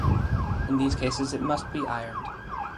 In these cases it must be ironed.